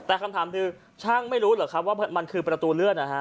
แต่คำถามคือช่างไม่รู้เหรอครับว่ามันคือประตูเลื่อนนะฮะ